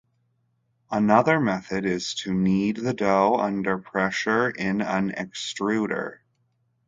Another method is to knead the dough under pressure in an extruder.